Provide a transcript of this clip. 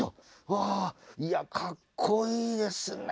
わあいやかっこいいですね。